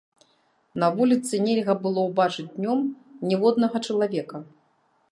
На вуліцы нельга было ўбачыць днём ніводнага чалавека.